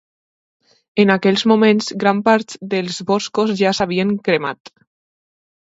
En aquells moments, gran part dels boscos ja s'havien cremat